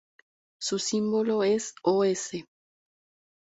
Su símbolo es Os.